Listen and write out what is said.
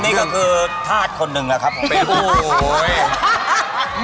ผมนี่ก็คือภาษณ์คนหนึ่งละครับผม